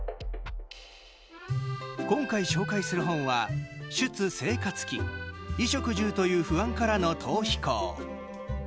今回紹介する本は「出セイカツ記衣食住という不安からの逃避行」。